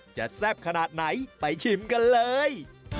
แซ่บขนาดไหนไปชิมกันเลย